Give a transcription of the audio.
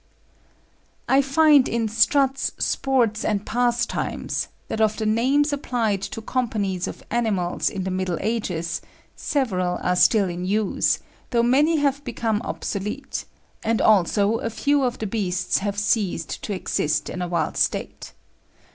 I find in Strutt's "Sports and Pastimes" that of the names applied to companies of animals in the Middle Ages, several are still in use, though many have become obsolete; and also a few of the beasts have ceased to exist in a wild state.